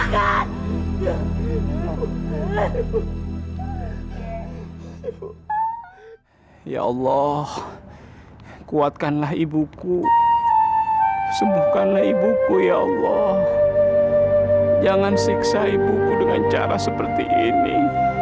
ya allah kuatkanlah ibuku sembuhkanlah ibuku ya allah jangan siksa ibuku dengan cara seperti ini